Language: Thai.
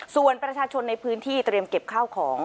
ส่วนประชาชนในพื้นที่เตรียมเก็บข้าวของ